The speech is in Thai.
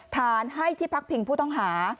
ฐานให้ที่พักพิงผู้ต้องหา